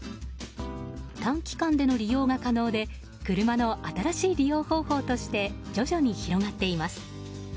短期間での利用が可能で車の新しい利用方法として徐々に広がっています。